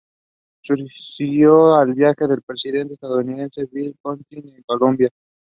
The team played its home games at Xavier Stadium in Cincinnati.